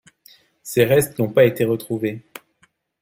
Ses restes n'ont pas été retrouvés.